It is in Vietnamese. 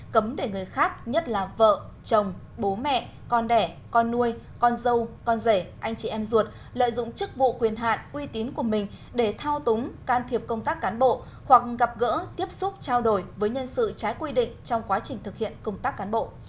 cấm để người khác nhất là vợ chồng bố mẹ con đẻ con nuôi con dâu con rể anh chị em ruột lợi dụng chức vụ quyền hạn uy tín của mình để thao túng can thiệp công tác cán bộ hoặc gặp gỡ tiếp xúc trao đổi với nhân sự trái quy định trong quá trình thực hiện công tác cán bộ